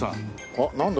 あっなんだ？